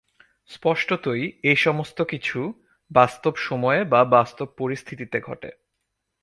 স্পষ্টতই, এই সমস্ত কিছু বাস্তব সময়ে বা বাস্তব পরিস্থিতিতে ঘটে।